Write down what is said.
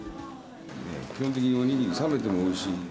基本的にお握り、冷めてもおいしい。